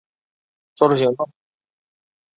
并做出行动